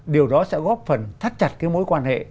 điều đó sẽ góp phần thắt chặt cái mối quan hệ